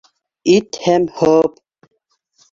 Ит һәм һоп